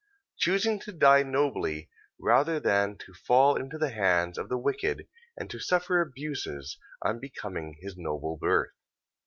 Choosing to die nobly rather than to fall into the hands of the wicked, and to suffer abuses unbecoming his noble birth.